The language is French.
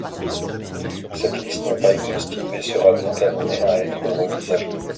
Cette liste n’est pas exhaustive et sera donc amenée à être remise à jour.